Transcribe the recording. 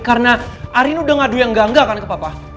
karena arin udah ngadu yang gangga kan ke papa